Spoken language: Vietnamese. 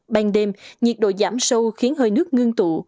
ban đêm nhiệt độ giảm sâu khiến hơi nước ngưng tụ